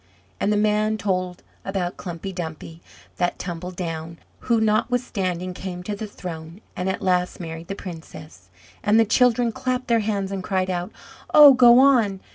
And the man told about Klumpy Dumpy that tumbled down, who notwithstanding came to the throne, and at last married the princess. And the children clapped their hands, and cried out, "Oh, go on!